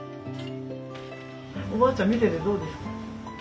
おばあちゃん見ててどうですか？